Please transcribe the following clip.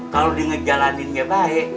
kalo dia ngejalaninnya baik